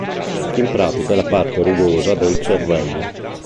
In pratica è la parte rugosa del cervello.